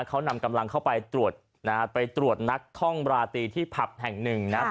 เขานำกำลังเข้าไปตรวจนะฮะไปตรวจนักท่องราตรีที่ผับแห่งหนึ่งนะครับ